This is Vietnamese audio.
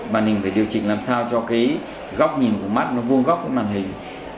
bàn hình phải điều chỉnh làm sao cho cái góc nhìn của mắt nó vuông góc với màn hình